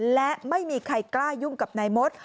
และไม่มีใครกล้ายุ่งกับนายมด